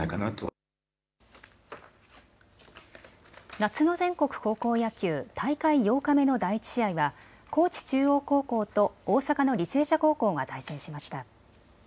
夏の全国高校野球、大会８日目の第１試合は高知中央高校と大阪の履正社高校が対戦しました。